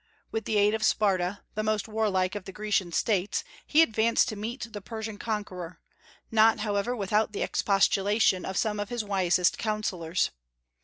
With the aid of Sparta, the most warlike of the Grecian States, he advanced to meet the Persian conqueror, not however without the expostulation of some of his wisest counsellors.